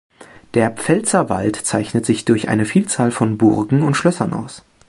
Der Pfälzerwald zeichnet sich durch eine Vielzahl von Burgen und Schlössern aus.